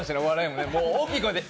もう大きい声で